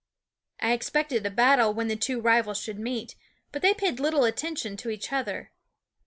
I expected a battle when the two rivals should meet; but they paid little attention to each other.